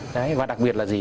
đấy và đặc biệt là gì